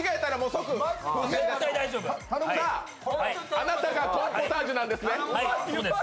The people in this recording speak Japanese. あなたがコーンポタージュなんですね。